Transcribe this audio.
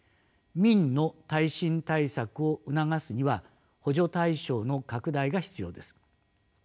民の耐震対策を促すには補助対象の拡大が必要です。